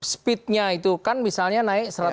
speednya itu kan misalnya naik